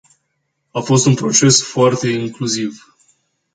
A fost un proces foarte incluziv.